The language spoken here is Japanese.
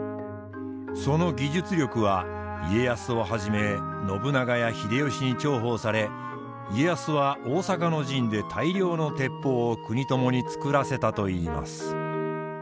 その技術力は家康をはじめ信長や秀吉に重宝され家康は大坂の陣で大量の鉄砲を国友に作らせたといいます。